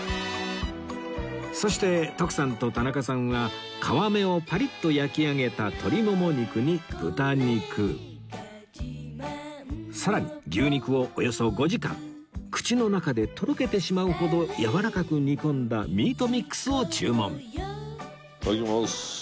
そして徳さんと田中さんは皮目をパリッと焼き上げた鶏もも肉に豚肉さらに牛肉をおよそ５時間口の中でとろけてしまうほどやわらかく煮込んだミートミックスを注文いただきます。